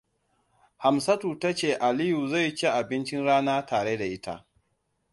Hamsatu ta ce Aliyu zai ci abincin rana tare da ita.